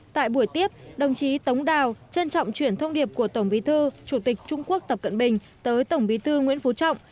tại buổi tiếp đồng chí tống đào trân trọng chuyển thông điệp của tổng bí thư chủ tịch trung quốc tập cận bình tới tổng bí thư nguyễn phú trọng